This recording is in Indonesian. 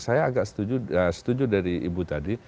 saya agak setuju dari ibu tadi